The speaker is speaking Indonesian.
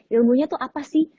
ilmunya itu apa sih